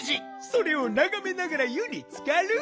それをながめながら湯につかる。